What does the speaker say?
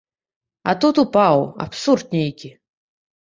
А тут упаў, абсурд нейкі.